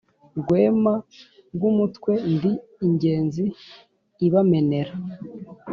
Rwema rw'umutwe ndi ingenzi ibamenera